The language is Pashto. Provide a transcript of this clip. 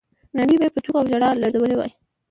نړۍ به یې په چیغو او ژړاو لړزولې وای.